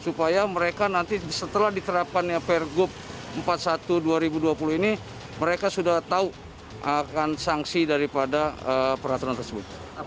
supaya mereka nanti setelah diterapkannya pergub empat puluh satu dua ribu dua puluh ini mereka sudah tahu akan sanksi daripada peraturan tersebut